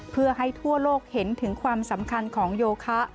เพื่อให้ทั่วโลกเห็นถึงความสำคัญของโยคะ